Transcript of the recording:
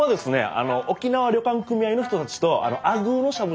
あの沖縄旅館組合の人たちとあのアグーのしゃぶしゃぶを。